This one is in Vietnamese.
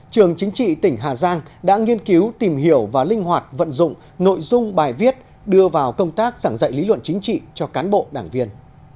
trường chính trị tỉnh hà giang đã nghiên cứu tìm hiểu và linh hoạt vận dụng nội dung bài viết đưa vào công tác giảng dạy lý luận chính trị cho cán bộ đảng viên